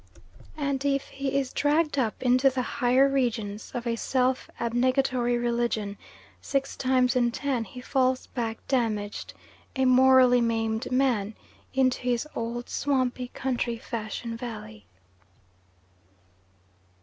And if he is dragged up into the higher regions of a self abnegatory religion, six times in ten he falls back damaged, a morally maimed man, into his old swampy country fashion valley.